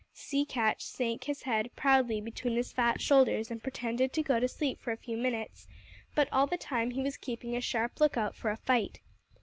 Sea Catch sunk his head proudly between his fat shoulders and pretended to go to sleep for a few minutes, but all the time he was keeping a sharp lookout for a fight.